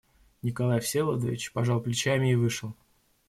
Николай Всеволодович пожал плечами и вышел.